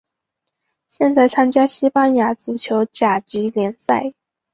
现在参加西班牙足球甲级联赛。